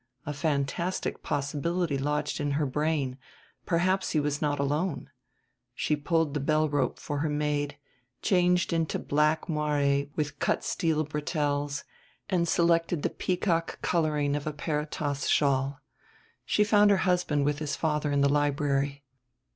A fantastic possibility lodged in her brain perhaps he was not alone. She pulled the bell rope for her maid, changed into black moiré with cut steel bretelles, and selected the peacock coloring of a Peri taus shawl. She found her husband with his father in the library.